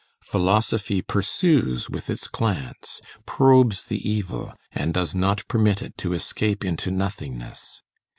Philosophy pursues with its glance, probes the evil, and does not permit it to escape into nothingness.